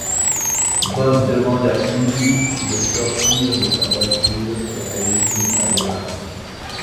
Bob demande à Sulli de sortir de sa voiture et réussit à démarrer.